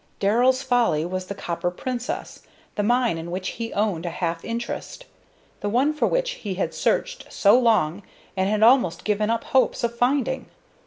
"Darrell's Folly" was the Copper Princess, the mine in which he owned a half interest the one for which he had searched so long and had almost given up hopes of finding.